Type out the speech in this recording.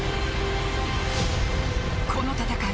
この戦い